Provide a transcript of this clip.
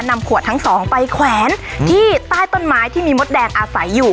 นำขวดทั้งสองไปแขวนที่ใต้ต้นไม้ที่มีมดแดงอาศัยอยู่